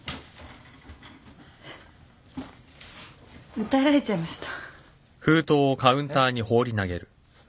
訴えられちゃいました。